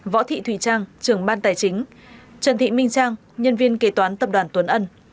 võ thị thùy trang trưởng ban tài chính trần thị minh trang nhân viên kế toán tập đoàn tuấn ân